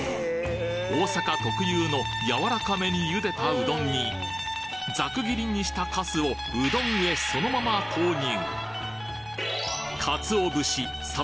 大阪特有の柔らかめに茹でたうどんにざく切りにしたかすをうどんへそのまま投入！